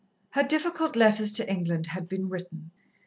Her difficult letters to England had been written.